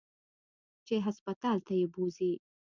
چې هسپتال ته يې بوځي.